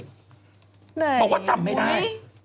ไหนโอ้โฮโฮแบบว่าจำไม่ได้